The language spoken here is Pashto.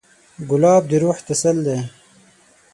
ګلاب د روح تسل دی.